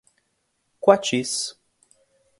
Quatis